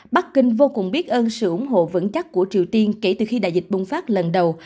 bắc kinh vô cùng biết ơn sự ủng hộ vững chắc của triều tiên kể từ khi đại dịch bùng phát lần đầu